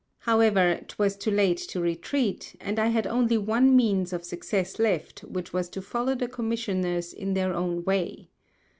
However ŌĆÖtwas too late to retreat; and I had only one Means of Success left which was to follow the Commissioners in their own Way.